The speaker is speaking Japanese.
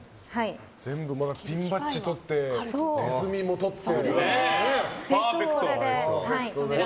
全部ピンバッジとって手積みもとって。